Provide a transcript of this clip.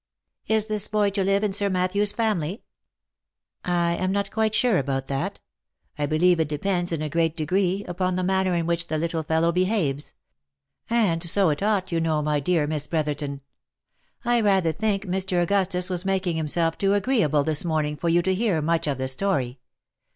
" Is this boy to live in Sir Matthew's family V " I am not quite sure about that. I believe it depends in a great degree upon the manner in which the little fellow behaves ; and so it ought, you know, my dear Miss Brotherton. I rather think Mr. Augustus was making himself too agreeable this morning for you to hear much of the story.